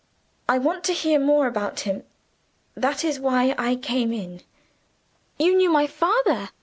I want to hear more about him. That is why I came in." "You knew my father!"